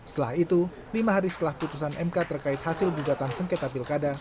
setelah itu lima hari setelah putusan mk terkait hasil gugatan sengketa pilkada